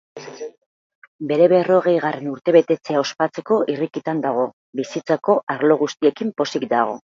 Bere berrogehigarren urtebetetzea ospatzeko irrikitan dago, bizitzako arlo guztiekin pozik dago.